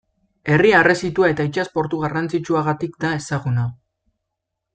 Herri harresitua eta itsas-portu garrantzitsuagatik da ezaguna.